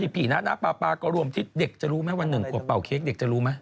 พี่นะปาก็รวมที่เด็กจะรู้ไหมวันหนึ่งขวบเป่าเค้กเด็กจะรู้ไหม